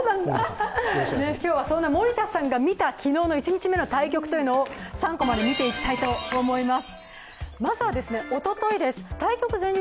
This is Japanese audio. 今日はそんな森田さんが見た昨日の１日目の対局を３コマで見ていきたいと思います。